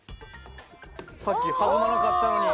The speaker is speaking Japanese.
さっき弾まなかったのに。